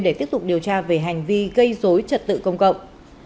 để tiếp tục điều tra về hành vi gây dối trật tự công cộng